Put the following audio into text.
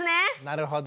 なるほど。